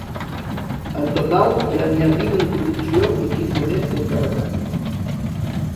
En total ja n’hi ha vint en producció i quinze més d’encarregats.